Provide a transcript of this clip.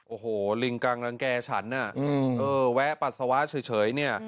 โอ้โหลิงกังรังแก่ฉันน่ะเออแวะปัสสาวะเฉยเนี่ย